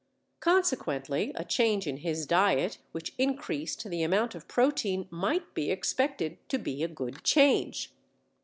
Consequently a change in his diet which increased the amount of protein might be expected to be a good change.